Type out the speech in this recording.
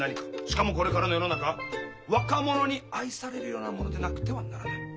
しかもこれからの世の中若者に愛されるようなものでなくてはならない。